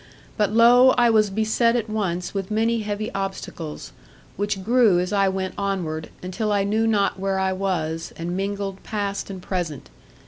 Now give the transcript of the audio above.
But, lo! I was beset at once with many heavy obstacles, which grew as I went onward, until I knew not where I was, and mingled past and present.